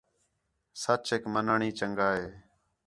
سَچیک منّݨ ہی چَنڳا ہے